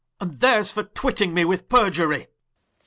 Clar. And ther's for twitting me with periurie.